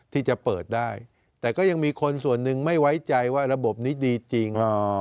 ที่จะเปิดได้แต่ก็ยังมีคนส่วนหนึ่งไม่ไว้ใจว่าระบบนี้ดีจริง